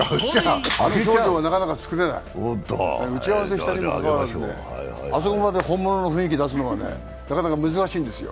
あの状況はなかなか作れない、打ち合わせしたにかかわらず、あそこまで本物の雰囲気を出すのはなかなか難しいですよ。